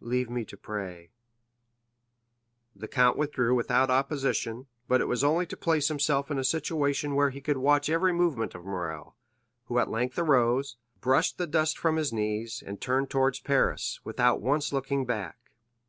"Leave me to pray." The count withdrew without opposition, but it was only to place himself in a situation where he could watch every movement of Morrel, who at length arose, brushed the dust from his knees, and turned towards Paris, without once looking back.